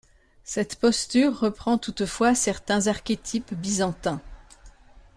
Cette posture reprend toutefois certains archétypes byzantins.